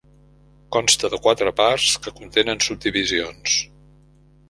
Consta de quatre parts, que contenen subdivisions.